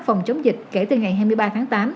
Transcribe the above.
phòng chống dịch kể từ ngày hai mươi ba tháng tám